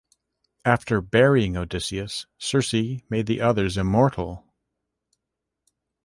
After burying Odysseus, Circe made the others immortal.